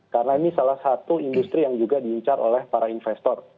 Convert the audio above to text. karena ini salah satu industri yang juga diucar oleh para investor